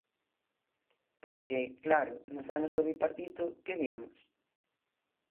Porque, claro, nos anos do Bipartito, ¿que vimos?